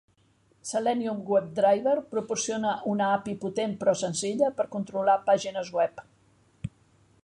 Selenium WebDriver proporciona una API potent però senzilla per controlar pàgines web.